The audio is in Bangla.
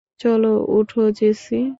চল ওঠ জেসি!